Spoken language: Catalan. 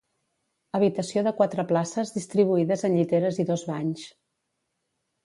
Habitació de quatre places distribuïdes en lliteres i dos banys.